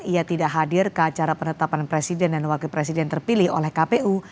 ia tidak hadir ke acara penetapan presiden dan wakil presiden terpilih oleh kpu